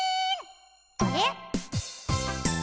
あれ？